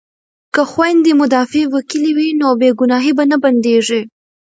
که خویندې مدافع وکیلې وي نو بې ګناه به نه بندیږي.